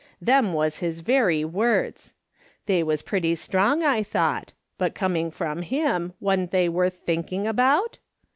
Them was his very words. They was pretty strong, I thought ; but coming from him, wa'n't they worth thinking about